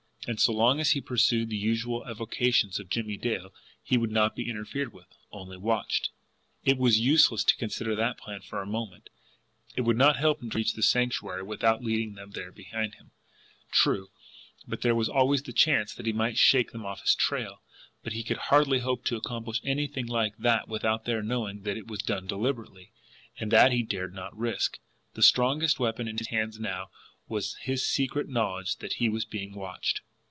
And so long as he pursued the usual avocations of Jimmie Dale, he would not be interfered with only WATCHED. It was useless to consider that plan for a moment. It would not help him to reach the Sanctuary without leading them there behind him! True, there was always the chance that he might shake them off his trail, but he could hardly hope to accomplish anything like that without their knowing that it was done DELIBERATELY and that he dared not risk. The strongest weapon in his hands now was his secret knowledge that he was being watched.